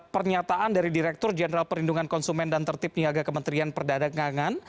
pernyataan dari direktur jenderal perlindungan konsumen dan tertip niaga kementerian perdagangan